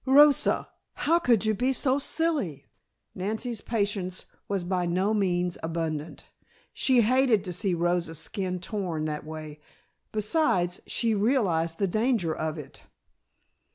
Rosa, how could you be so silly?" Nancy's patience was by no means abundant. She hated to see Rosa's skin torn that way; besides, she realized the danger of it.